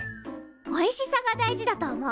おいしさが大事だと思う。